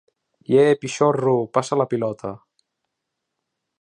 Ie, pixorro, passa la pilota!